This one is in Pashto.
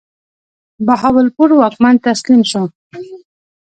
بهاولپور واکمن تسلیم شو.